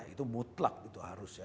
itu mutlak itu harus ya